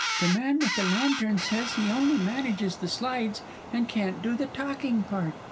The man with the lantern says he only manages the slides, and can't do the talking part.